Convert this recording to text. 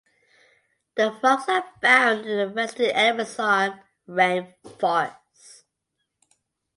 The frogs are found in the western Amazon rainforest.